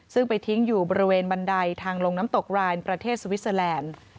ซึ่งไปทิ้งอยู่บริเวณบันไดทางลงน้ำตกรายประเทศสวิสเตอร์แลนด์